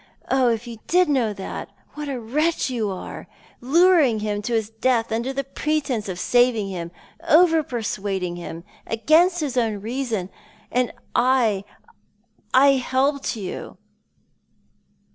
Oh, if yoii did know that, wliat a wretch you are ! Luring him to his death, under the pretence of saving him — over persuading him, against his own reason — and I — I helped you!